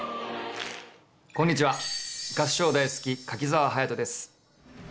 こんにちは合唱大好き柿澤勇人です。